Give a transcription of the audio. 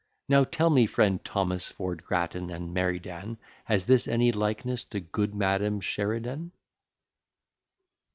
Now tell me, friend Thomas, Ford, Grattan, and Merry Dan, Has this any likeness to good Madam Sheridan?